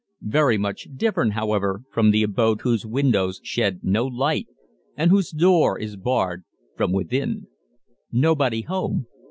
Very much different, however, from the abode whose windows shed no light and whose door is barred from within. "Nobody Home!"